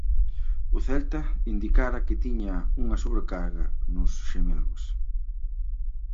O Celta indicara que tiña unha sobrecarga nos xemelgos.